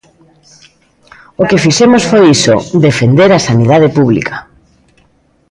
O que fixemos foi iso: defender a sanidade pública.